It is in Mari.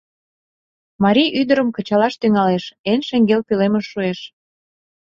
Марий ӱдырым кычалаш тӱҥалеш, эн шеҥгел пӧлемыш шуэш.